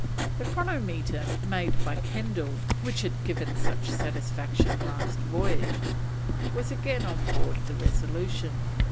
The chronometer, made by Kendal, which had given such satisfaction last voyage, was again on board the Resolution.